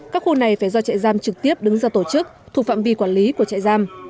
các khu này phải do trại giam trực tiếp đứng ra tổ chức thuộc phạm vi quản lý của trại giam